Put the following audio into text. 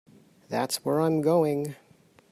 That's where I'm going.